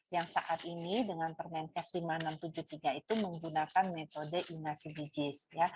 yang saat ini dengan permenkes lima ribu enam ratus tujuh puluh tiga itu menggunakan metode inasi digis